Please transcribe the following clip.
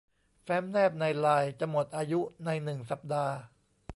แฟ้มแนบในไลน์จะหมดอายุในหนึ่งสัปดาห์